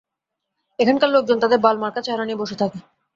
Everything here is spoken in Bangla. এখানকার লোকজন তাদের বালমার্কা চেহারা নিয়ে বসে থাকে।